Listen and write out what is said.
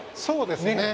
そうですね。